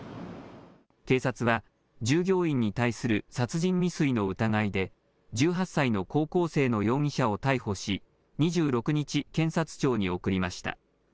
警察は従業員に対する殺人未遂の疑いで、１８歳の高校生の容疑者を逮捕し、２６日、検察庁に送りました。